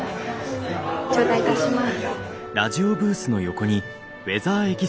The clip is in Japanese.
頂戴いたします。